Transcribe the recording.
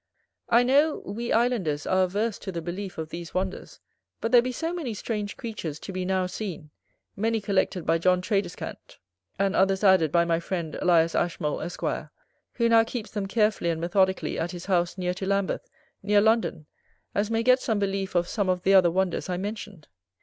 I know, we Islanders are averse to the belief of these wonders; but there be so many strange creatures to be now seen, many collected by John Tradescant, and others added by my friend Elias Ashmole, Esq., who now keeps them carefully and methodically at his house near to Lambeth, near London, as may get some belief of some of the other wonders I mentioned.